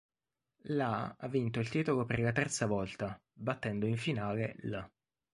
La ha vinto il titolo per la terza volta, battendo in finale l'.